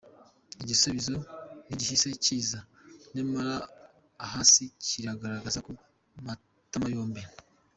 Igisubizo ntigihise kiza, nyamara ahari kirigaragaza ku matama yombi.